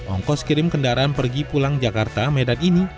ongkos kirim kendaraan pergi pulang jakarta medan ini